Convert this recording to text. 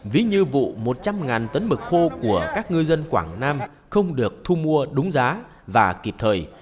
ví như vụ một trăm linh tấn mực khô của các ngư dân quảng nam không được thu mua đúng giá và kịp thời